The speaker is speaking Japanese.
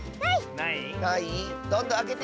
ない！